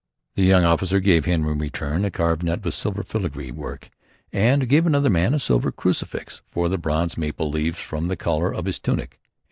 The young officer gave him in return a carved nut with silver filigree work and gave another man a silver crucifix for the bronze maple leaves from the collar of his tunic.